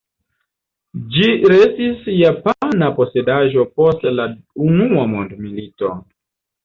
Ĝi restis japana posedaĵo post la Unua Mondmilito.